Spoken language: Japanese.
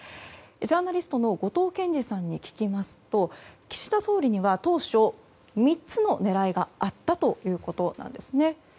ジャーナリストの後藤謙次さんに聞きますと岸田総理には当初、３つの狙いがあったということなんです。